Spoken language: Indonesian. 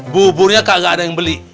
buburnya gak ada yang beli